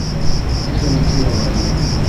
Es un líquido amarillo.